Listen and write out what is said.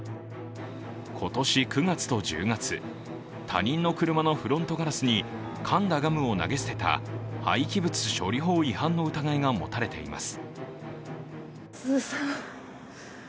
今年９月と１０月、他人の車のフロントガラスにかんだガムを投げ捨てた廃棄物処理法違反の疑いが持たれています。